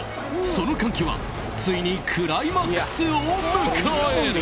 その歓喜はついにクライマックスを迎える。